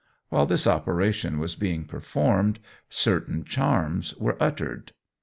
While this operation was being performed, certain charms were uttered.